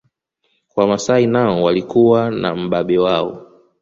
Wamasai nao walikuwa na mbabe wao